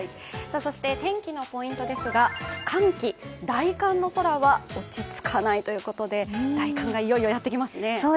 そして天気のポイントですが大寒の空は落ち着かないということで、大寒がやってきますね。